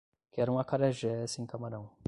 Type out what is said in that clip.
Quero um acarajé sem camarão